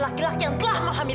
satu setengah bulan